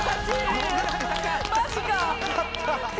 マジか！